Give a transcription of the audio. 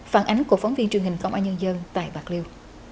phản ánh của phóng viên truyền hình công an nhân dân tại bạc liêu